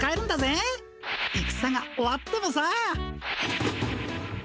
イクサが終わってもさ。